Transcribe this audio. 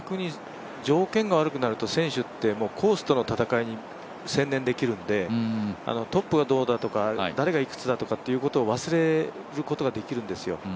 条件が悪くなると選手はコースとの戦いに専念できるのでトップがどうだとか、誰がいくつかだとかいうことを忘れることができるんですよ。